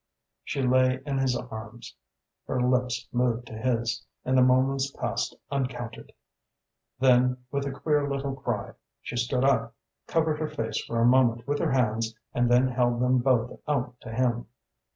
She lay in his arms, her lips moved to his and the moments passed uncounted. Then, with a queer little cry, she stood up, covered her face for a moment with her hands and then held them both out to him.